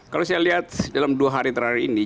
kalau saya lihat dalam dua hari terakhir ini